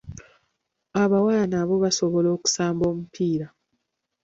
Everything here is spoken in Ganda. Abawala nabo basobola okusamba omupiira.